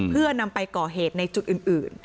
เพื่อนำไปก่อเหตุในจุดอื่น